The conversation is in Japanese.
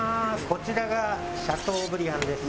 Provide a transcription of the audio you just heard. こちらがシャトーブリアンです。